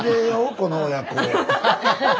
この親子。